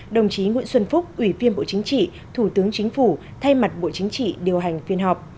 đồng chí nguyễn xuân phúc ủy viên bộ chính trị thủ tướng chính phủ thay mặt bộ chính trị điều hành phiên họp